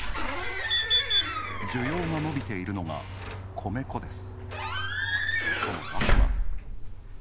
需要が伸びているのが、米粉です。